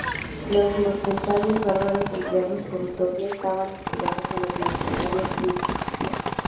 Los mercenarios bárbaros empleados por Utopía estaban inspirados en los mercenarios suizos.